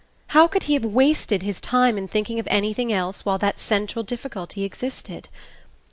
How could he have wasted his time in thinking of anything else while that central difficulty existed?